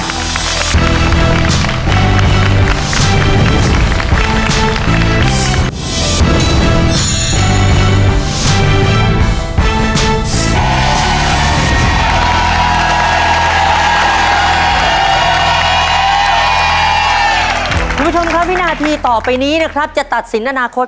คุณผู้ชมครับวินาทีต่อไปนี้นะครับจะตัดสินอนาคต